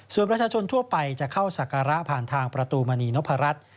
ส่วนประชาชนทั่วไปจะเข้าศักระผ่านทางประตูมณีนพรัช